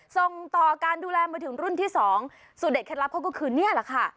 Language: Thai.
ส่งต่อการดูแลมาถึงรุ่นที่สองสูตรเด็ดเคล็ดลับเขาก็คือนี่แหละค่ะ